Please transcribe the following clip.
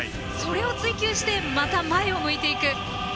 それを追求してまた前を向いていく。